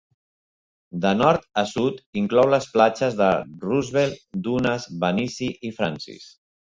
De nord a sud, inclou les platges de Roosevelt, Dunes, Venice i Francis.